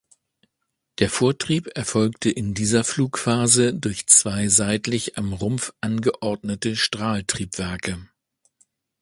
Der Vortrieb erfolgte in dieser Flugphase durch zwei seitlich am Rumpf angeordnete Strahltriebwerke.